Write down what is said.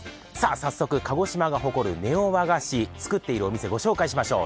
早速、鹿児島が誇るネオ和菓子作ってるお店、ご紹介しましょう。